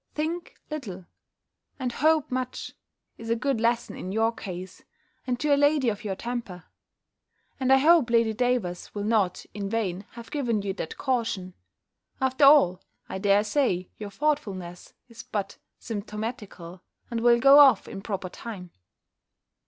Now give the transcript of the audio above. Think little, and hope much, is a good lesson in your case, and to a lady of your temper; and I hope Lady Davers will not in vain have given you that caution. After all, I dare say your thoughtfulness is but symptomatical, and will go off in proper time.